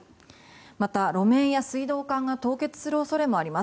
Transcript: また、路面や水道管が凍結する恐れもあります。